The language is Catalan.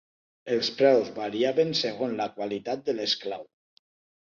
Els preus variaven segons la qualitat de l'esclau.